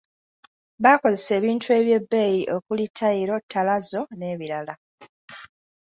Baakozesa ebintu eby'ebbeeyi okuli ttayiro, ttalazo n'ebirala.